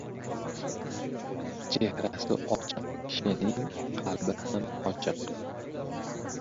Chehrasi ochiq kishining qalbi ham ochiq.